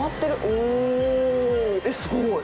おっすごい。